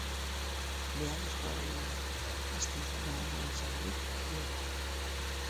Beharrezkoa balitz, aste osoan egongo da zabalik bulegoa.